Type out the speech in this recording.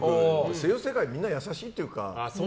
声優の世界はみんな優しいというか。